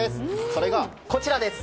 それがこちらです。